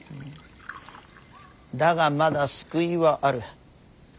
だがまだ救いはある。